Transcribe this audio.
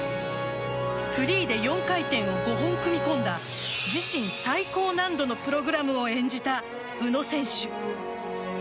フリーで４回転を５本組み込んだ自身最高難度のプログラムを演じた宇野選手。